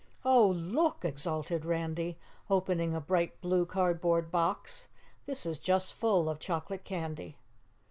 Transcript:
"Oh, look!" exulted Randy, opening a bright blue cardboard box. "This is just full of chocolate candy."